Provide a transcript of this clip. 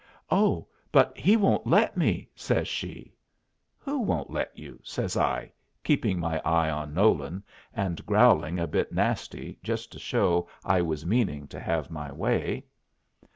"Oh, but he won't let me!" says she. "Who won't let you?" says I, keeping my eye on Nolan, and growling a bit nasty, just to show I was meaning to have my way.